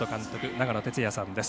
長野哲也さんです。